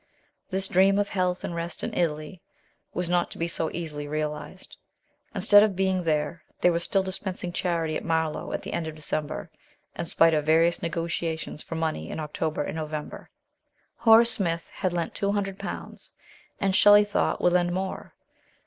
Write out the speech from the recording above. This dream of health and rest in Italy was not to be so easily realised. Instead of being there, they were still dispensing charity at Mar low at the end of December, in spite of various negotiations for money in October and November. Horace Smith had lent two hundred pounds, and, Shelley thought, would lend more.